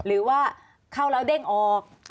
หรือว่าเข้าแล้วเด้งออก